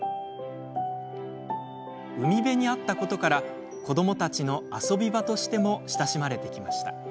海辺にあったことから子どもたちの遊び場としても親しまれてきました。